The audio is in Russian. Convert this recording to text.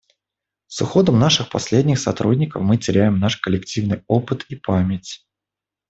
С уходом наших последних сотрудников мы теряем наш коллективный опыт и память.